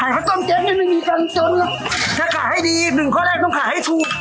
ลุงเจ๊กนี่ไม่มีการจนถ้าขายดีหนึ่งข้อแรกต้องขายให้ถูก